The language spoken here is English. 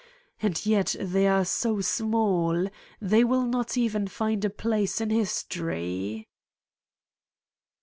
And yet they are so small, they will not even find a place in history."